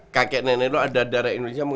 kakek nenek lo ada darah indonesia